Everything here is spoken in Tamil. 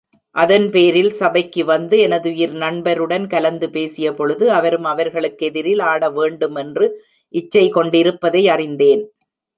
அதன்பேரில் சபைக்கு வந்து எனதுயிர் நண்பனுடன் கலந்து பேசியபொழுது, அவரும் அவர்களுக்கெதிரில் ஆட வேண்டுமென்று இச்சை கொண்டிருப்பதை அறிந்தேன்.